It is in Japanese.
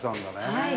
はい。